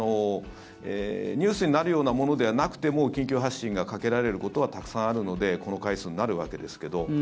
ニュースになるようなものではなくても緊急発進がかけられることはたくさんあるのでこの回数になるわけですけど。